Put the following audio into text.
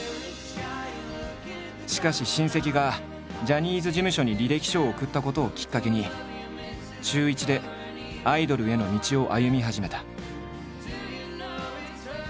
しかし親戚がジャニーズ事務所に履歴書を送ったことをきっかけに中１でアイドルへの道を歩み始めた。